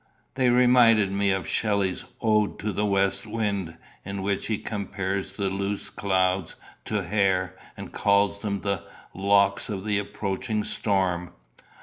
They reminded me of Shelley's "Ode to the West Wind," in which he compares the "loose clouds" to hair, and calls them "the locks of the approaching storm."